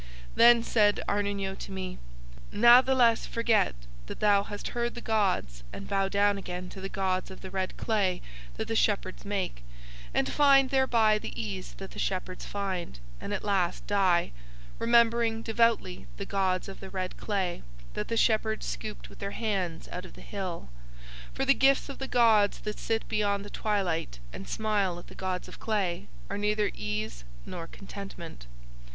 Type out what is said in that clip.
"'Then said Arnin Yo to me: "'Natheless forget that thou hast heard the gods and bow down again to the gods of the red clay that the shepherds make, and find thereby the ease that the shepherds find, and at last die, remembering devoutly the gods of the red clay that the shepherds scooped with their hands out of the hill. For the gifts of the gods that sit beyond the twilight and smile at the gods of clay, are neither ease nor contentment."